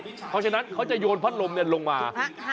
เพราะฉะนั้นเขาจะโยนพัดลมลงมา